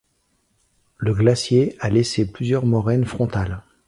Le glacier a laissé plusieurs moraines frontales.